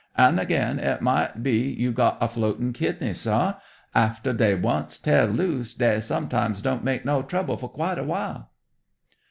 "An' again, it might be you got a floatin' kidney, sah. Aftah dey once teah loose, dey sometimes don't make no trouble for quite a while."